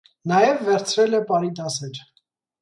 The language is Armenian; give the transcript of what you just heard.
Նաև վերցրել է պարի դասեր։